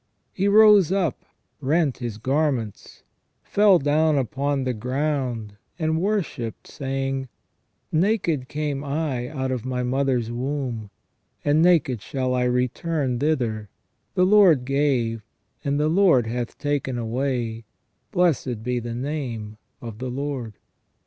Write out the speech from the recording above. He rose up, rent his garments, fell down upon the ground, and worshipped, saying :" Naked came I out of my mother's womb, and naked shall I return thither : the Lord gave, and the Lord hath taken away : blessed be the name of the Lord".